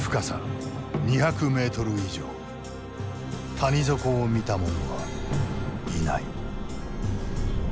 谷底を見た者はいない。